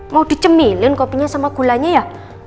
mau dicemilin kopinya sama gulanya ya